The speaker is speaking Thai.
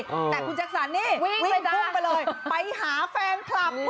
แต่คุณแจ็คสันนี่วิ่งพุ่งไปเลยไปหาแฟนคลับ